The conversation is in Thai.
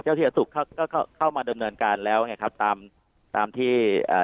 เจ้าที่สาธารณะสุขเขาก็เข้ามาดำเนินการแล้วไงครับตามตามที่เอ่อ